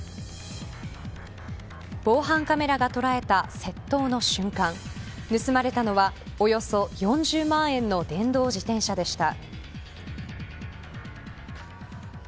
防犯カメラが捉えた窃盗の瞬間盗まれたのはおよそ４０万円の電動自転車でした。